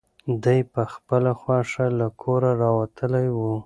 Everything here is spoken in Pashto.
دی په خپله خوښه له کوره راوتلی و.